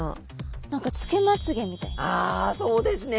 何かあそうですね。